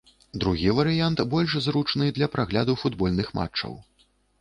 Другі варыянт больш зручны для прагляду футбольных матчаў.